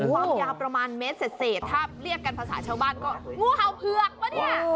ความยาวประมาณเมตรเศษถ้าเรียกกันภาษาชาวบ้านก็งูเห่าเผือกปะเนี่ย